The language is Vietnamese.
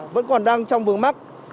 vẫn còn đang trong vướng mắc